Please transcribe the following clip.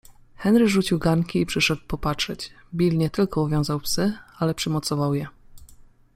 Henry rzucił garnki i przyszedł popatrzeć. Bill nie tylko uwiązał psy, ale przymocował je